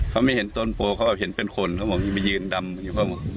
เขาไม่เห็นต้นโพเขาเห็นเป็นคนเขาบอกยังไปยืนดำอยู่ข้างบน